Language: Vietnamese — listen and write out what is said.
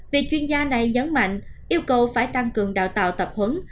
việc chuyên gia này nhấn mạnh yêu cầu phải tăng cường đào tạo tập huấn